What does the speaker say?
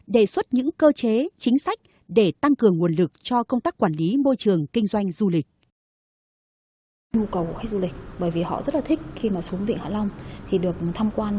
đề xuất những cơ chế chính sách để tăng cường nguồn lực cho công tác quản lý môi trường kinh doanh du lịch